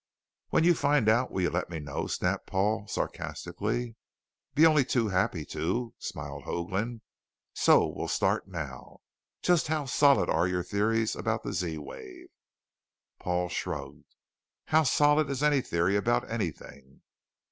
"When you find out, will you let me know?" snapped Paul sarcastically. "Be only too happy to," smiled Hoagland. "So we'll start now. Just how solid are your theories about the Z wave?" Paul shrugged. "How solid is any theory about anything?"